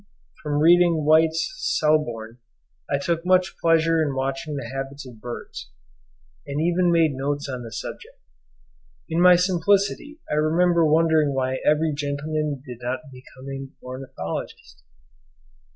From reading White's 'Selborne,' I took much pleasure in watching the habits of birds, and even made notes on the subject. In my simplicity I remember wondering why every gentleman did not become an ornithologist.